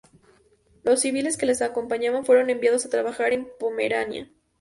Los civiles que les acompañaban fueron enviados a trabajar en Pomerania.